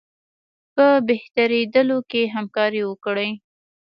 په بهترېدلو کې همکاري وکړي.